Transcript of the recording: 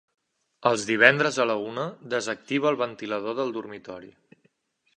Els divendres a la una desactiva el ventilador del dormitori.